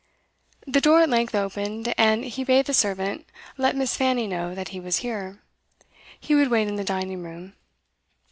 The door at length opened, and he bade the servant let Miss. Fanny know that he was here; he would wait in the dining room.